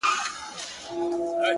په رياضت کي ودې حد ته رسېدلی يمه”